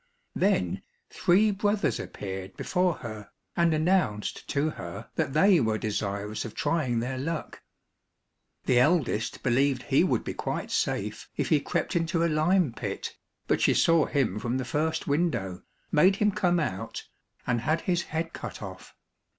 Then three brothers appeared before her, and announced to her that they were desirous of trying their luck. The eldest believed he would be quite safe if he crept into a lime pit, but she saw him from the first window, made him come out, and had his head cut off.